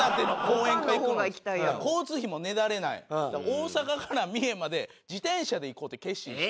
大阪から三重まで自転車で行こうって決心して。